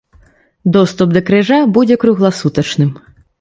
Доступ да крыжа будзе кругласутачным.